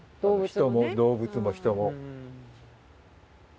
人も動物も人も。